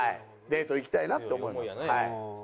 デート行きたいなって思います。